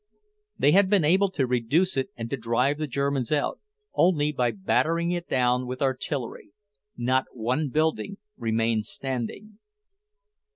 They had been able to reduce it and to drive the Germans out, only by battering it down with artillery; not one building remained standing.